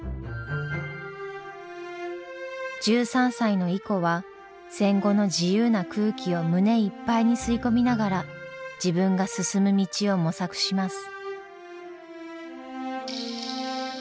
１３歳のイコは戦後の自由な空気を胸いっぱいに吸い込みながら自分が進む道を模索します。